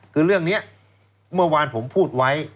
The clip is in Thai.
คือเรื่องนี้เมื่อวานผมพูดไว้